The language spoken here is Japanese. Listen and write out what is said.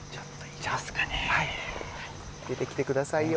出てきてくださいよ！